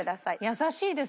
優しいですね。